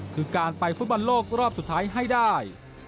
คือการไปฟุตบอลโลกรอบสุดท้ายให้ได้